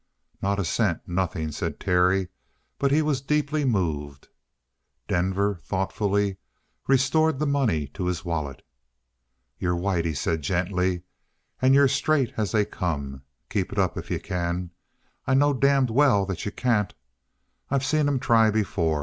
"Not a cent nothing," said Terry, but he was deeply moved. Denver thoughtfully restored the money to his wallet. "You're white," he said gently. "And you're straight as they come. Keep it up if you can. I know damned well that you can't. I've seen 'em try before.